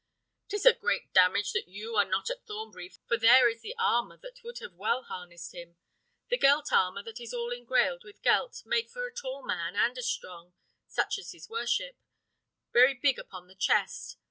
"'Tis a great damage that you are not at Thornbury, for there is the armour that would have well harnessed him. The gelt armour that is all engrailed with gelt; made for a tall man and a strong, such as his worship: very big upon the chest.